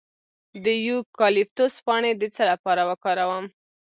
د یوکالیپټوس پاڼې د څه لپاره وکاروم؟